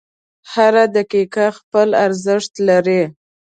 • هره دقیقه خپل ارزښت لري.